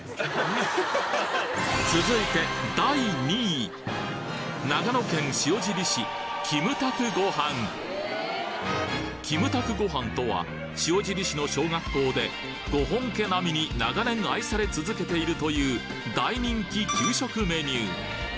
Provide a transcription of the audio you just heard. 続いてキムタクご飯とは塩尻市の小学校でご本家並みに長年愛され続けているという大人気給食メニュー